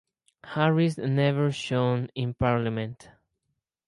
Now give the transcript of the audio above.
Harris never shone in Parliament.